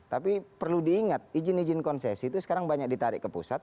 tapi perlu diingat izin izin konsesi itu sekarang banyak ditarik ke pusat